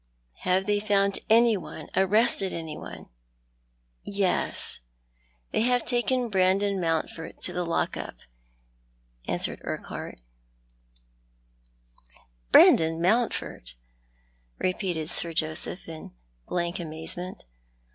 ''" Have they found any one — arrested any one ?"" Yes. They have taken Brandon j\Iountford to the lock up," answered Urquhart. I20 Thou art the Man. "Brandon Mountford !" repeated Sir Joseph, in blank areaze ment.